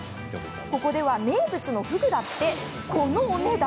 ここでは名物のふぐだってこのお値段。